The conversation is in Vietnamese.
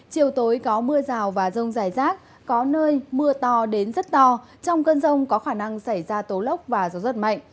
chiều tối có mưa rào và rông dài rác có nơi mưa to đến rất to trong cơn rông có khả năng xảy ra tố lốc và gió rất mạnh